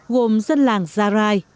gồm dân làng gia rai